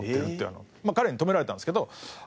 まあ彼に止められたんですけど。